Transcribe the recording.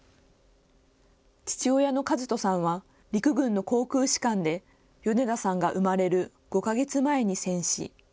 父親の主登さんは陸軍の航空士官で米田さんが生まれる５か月前に戦死。